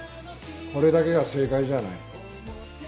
これだけが正解じゃない。